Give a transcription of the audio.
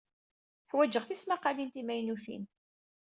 Ḥwajeɣ tismaqqalin timaynutin.